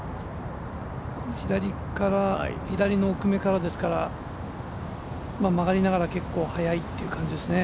左の奥目からですから曲がりながら結構速い感じですね。